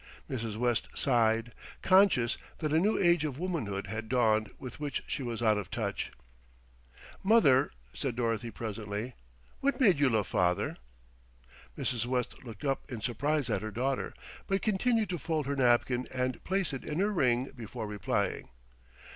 Mrs. West sighed, conscious that a new age of womanhood had dawned with which she was out of touch. "Mother," said Dorothy presently, "what made you love father?" Mrs. West looked up in surprise at her daughter, but continued to fold her napkin and place it in her ring before replying.